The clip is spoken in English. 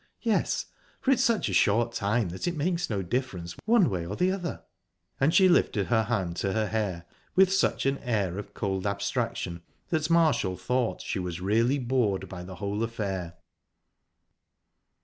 "Yes for it's such a short time that it makes no difference one way or the other." And she lifted her hand to her hair with such an air of cold abstraction that Marshall thought she was really bored by the whole affair.